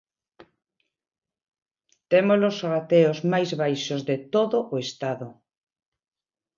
Temos os rateos máis baixos de todo o Estado.